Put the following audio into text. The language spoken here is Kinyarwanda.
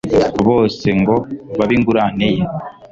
bose, ngo babe ingurane ye